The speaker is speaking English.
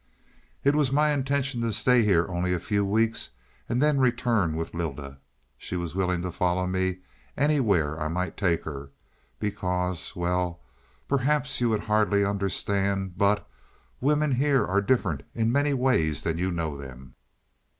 "It was my intention to stay here only a few weeks and then return with Lylda. She was willing to follow me anywhere I might take her, because well, perhaps you would hardly understand, but women here are different in many ways than you know them.